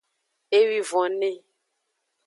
Ewivone.